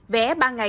vé ba đồng